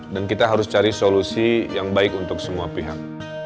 dan kita harus cari solusi yang baik untuk semua pihak